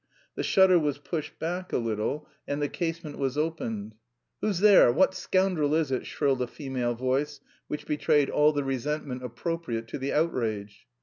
The shutter was pushed back a little and the casement was opened. "Who's there, what scoundrel is it?" shrilled a female voice which betrayed all the resentment appropriate to the "outrage."